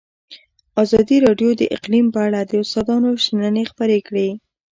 ازادي راډیو د اقلیم په اړه د استادانو شننې خپرې کړي.